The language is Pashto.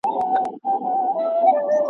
زه نه خوشحال یم زه نه رحمان یم `